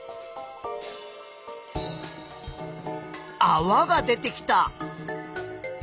あわが出てきた。